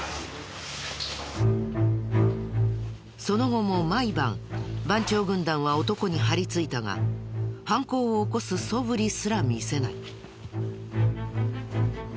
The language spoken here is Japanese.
その後も毎晩番長軍団は男に張りついたが犯行を起こすそぶりすら見せない。